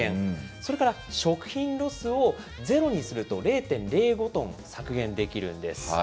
それから食品ロスをゼロにすると０．０５トン削減できるんです。